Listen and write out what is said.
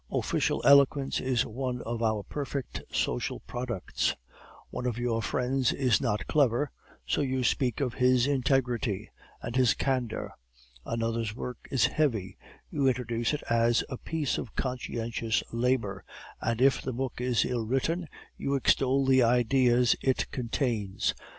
Official eloquence is one of our perfect social products. "'One of your friends is not clever, so you speak of his integrity and his candor. Another's work is heavy; you introduce it as a piece of conscientious labor; and if the book is ill written, you extol the ideas it contains.